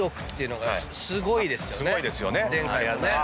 前回もね。